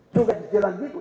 juga di sejalan jikut